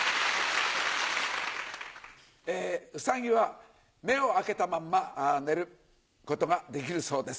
ウサギは目を開けたまんま寝ることができるそうです。